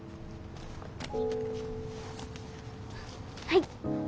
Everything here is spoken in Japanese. はい。